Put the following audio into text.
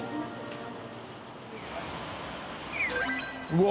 うわ